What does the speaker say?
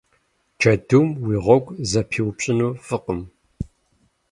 Джэдум уи гъуэгу зэпиупщӏыну фӏыкъым.